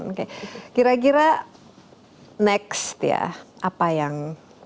oke kira kira next ya apa yang